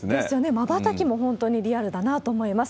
瞬きも本当にリアルだなと思います。